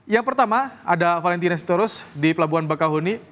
yang pertama ada valentina sitorus di pelabuhan bakahuni